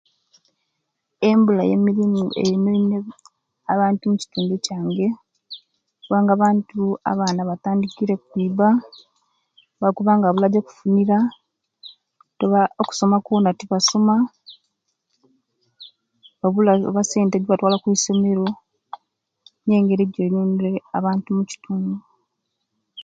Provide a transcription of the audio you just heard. Embula ye mirimu eyonenere abantu mukitundu kiyange kubanga abantu abaanana batandikire okwiba lwakubanga ebula jokufunira okusoma kwona tibasoma babula sente ejibatwala okwisomero niyo engeri ejeyonenere abantu omukitundu